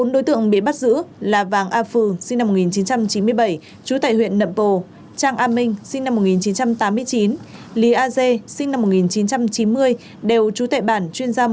bốn đối tượng bị bắt giữ là vàng a phừ sinh năm một nghìn chín trăm chín mươi bảy trú tại huyện nậm bồ trang a minh sinh năm một nghìn chín trăm tám mươi chín lý a dê sinh năm một nghìn chín trăm chín mươi đều trú tại bản chuyên gia một